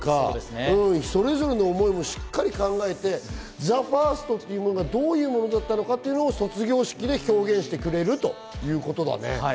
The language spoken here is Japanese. それぞれの思いも考えてＴＨＥＦＩＲＳＴというものがどういうものだったのか、卒業式で表現してくれるんだね。